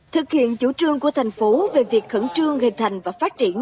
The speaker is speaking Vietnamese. thực hiện chủ trương của thành phố về việc khẩn trương hình thành và phát triển